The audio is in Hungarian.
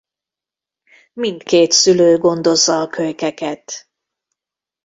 Mindkét szülő gondozza a kölykeket.